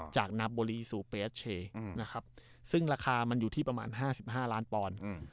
จากนาโบรีสู่เปสเชนะครับซึ่งราคามันอยู่ที่ประมาณ๕๕ล้านปอนด์